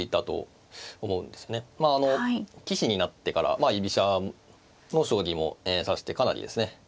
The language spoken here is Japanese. まああの棋士になってから居飛車の将棋も指してかなりですね